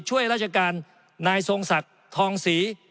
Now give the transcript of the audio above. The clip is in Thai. ช่วยราชการนายทรงศักดิ์ทองศรี